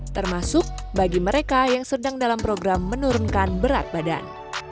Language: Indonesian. termasuk bagi mereka yang sedang dalam program menurunkan berat badan